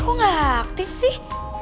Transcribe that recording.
kok ga aktif sih